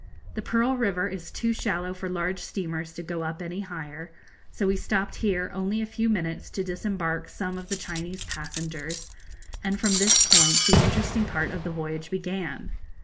The Pearl River is too shallow for large steamers to go up any higher; so we stopped here only a few minutes to disembark some of the Chinese passengers, and from this point the interesting part of the voyage began.